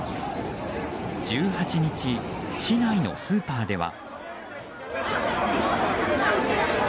１８日、市内のスーパーでは。